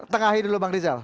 tengahi dulu bang rizal